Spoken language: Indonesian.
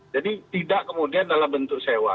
jadi tidak kemudian dalam bentuk sewa